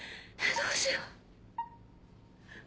どうしよう。